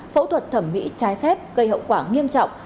phẫu thuật thẩm mỹ trái phép gây hậu quả nghiêm trọng